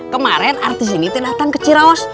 kemaren artis ini datang ke ciraos